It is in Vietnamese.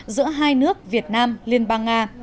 giữa hai nước việt nam liên bang nga